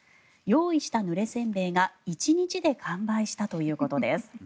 用意したぬれ煎餅が１日で完売したということです。